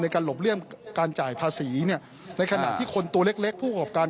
การหลบเลี่ยงการจ่ายภาษีในขณะที่คนตัวเล็กผู้ประกอบการ